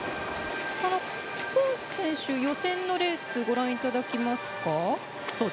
コーン選手予選のレースご覧いただきますか。